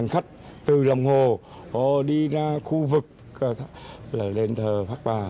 vậy tên yêu để làm gì